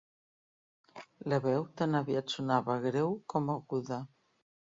La veu tan aviat sonava greu com aguda.